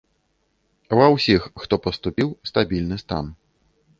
Ва ўсіх, хто паступіў, стабільны стан.